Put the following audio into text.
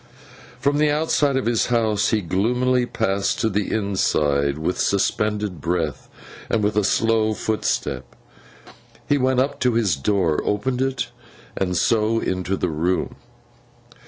From the outside of his home he gloomily passed to the inside, with suspended breath and with a slow footstep. He went up to his door, opened it, and so into the room.